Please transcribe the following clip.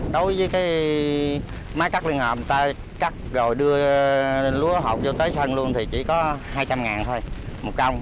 đối với cái máy cắt liên hợp người ta cắt rồi đưa lúa hộp vô tới sân luôn thì chỉ có hai trăm linh ngàn thôi một cong